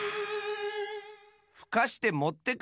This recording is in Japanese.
ふかしてもってくるって。